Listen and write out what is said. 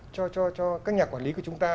cho cho cho các nhà quản lý của chúng ta